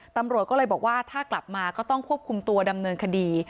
ตำรวจก็เลยบอกว่าถ้ากลับมาก็ต้องควบคุมตัวดำเนินคดี